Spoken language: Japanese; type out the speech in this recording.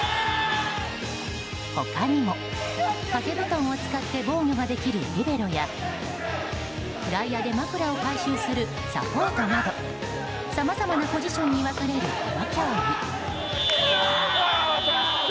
他にも、掛け布団を使って防御ができるリベロや外野で枕を回収するサポートなどさまざまなポジションに分かれるこの競技。